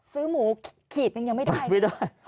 ซื้อหมูขีดนึงยังไม่ได้